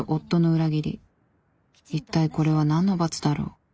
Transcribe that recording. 一体これは何の罰だろう？